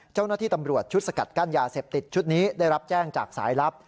เจ้าหน้าที่ตำรวจชุดสกัดกั้นยาเสพติดชุดนี้ได้รับแจ้งจากสายลับ